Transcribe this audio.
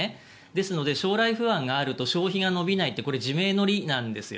ですので、将来不安があると消費が伸びないというのはこれは自明の理なんですよ。